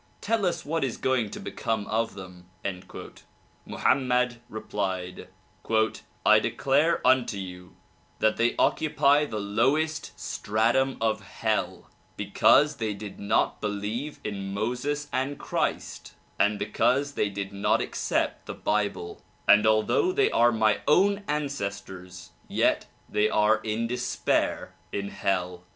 Tell us what is going to become of them?" Mohammed replied "I declare unto you that they occupy the lowest stratum of hell because they did not believe in Moses and Christ and because they did not accept the bible ; and although they are my own ancestors, yet they are in despair in hell."